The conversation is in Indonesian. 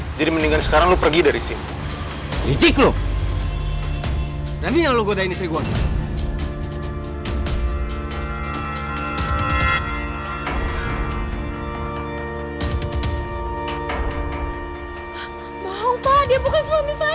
ih kayak gini emang gini aja terus kayaknya quack afterward and ravel market dan nya udah dapet ini nitrik gua sih create motivation for my new dark brain